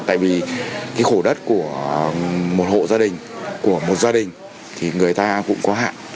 tại vì cái khổ đất của một hộ gia đình của một gia đình thì người ta cũng có hạn